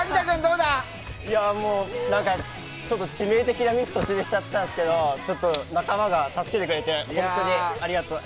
なんか、致命的なミス途中でしちゃったんですけど仲間が助けてくれて本当にありがとう。